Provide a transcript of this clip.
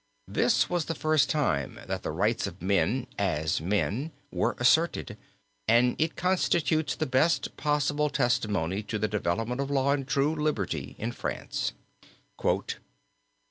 This was the first time that the rights of men, as men, were asserted and it constitutes the best possible testimony to the development of law and true liberty in France.